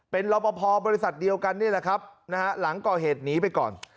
เป็นรอปภบริษัทเดียวกันนี่แหละครับนะฮะหลังก่อเหตุหนีไปก่อน